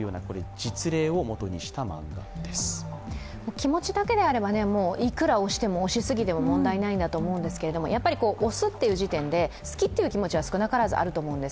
気持ちだけであればいくら推しても、推しすぎても問題ないと思うんですけど、やはり推すという時点で好きという気持ちは少なからずあると思うんです。